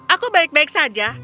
aku baik baik saja